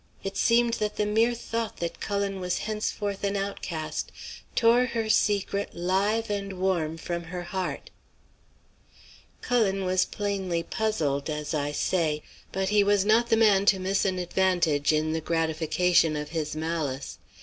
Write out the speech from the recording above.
It seemed that the mere thought that Cullen was henceforth an outcast tore her secret live and warm from her heart. "Cullen was plainly puzzled, as I say, but he was not the man to miss an advantage in the gratification of his malice.